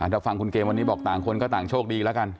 ถ้าฟังคุณเกมวันนี้บอกต่างคนก็ต่างโชคดีแล้วกัน